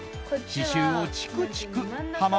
刺しゅうをチクチク。